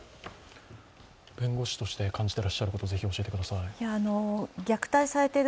弁護士として感じていらっしゃること、ぜひ教えてください。